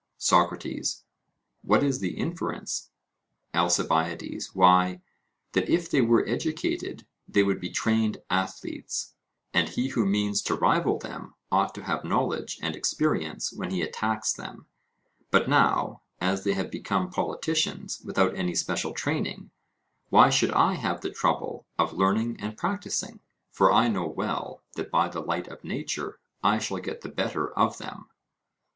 SOCRATES: What is the inference? ALCIBIADES: Why, that if they were educated they would be trained athletes, and he who means to rival them ought to have knowledge and experience when he attacks them; but now, as they have become politicians without any special training, why should I have the trouble of learning and practising? For I know well that by the light of nature I shall get the better of them.